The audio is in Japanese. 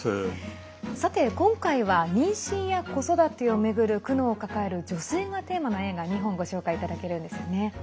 さて、今回は妊娠や子育てを巡る苦悩を抱える女性がテーマの映画２本ご紹介いただけるんですよね。